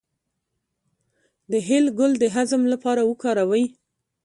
د هل ګل د هضم لپاره وکاروئ